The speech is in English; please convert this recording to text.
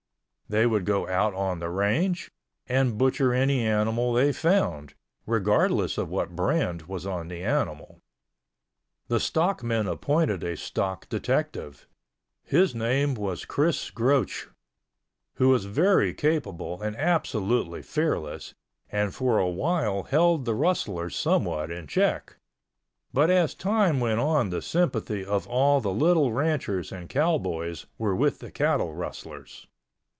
They would go out on the range, and butcher any animal they found, regardless of what brand was on the animal. The stockmen appointed a stock detective. His name was Chris Groce, who was very capable and absolutely fearless, and for a while held the rustlers somewhat in check, but as time went on the sympathy of all the little ranchers and cowboys were with the cattle rustlers.